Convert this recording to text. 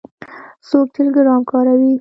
څوک ټیلیګرام کاروي؟